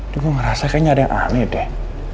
dia ngerasa kayaknya ada yang aneh deh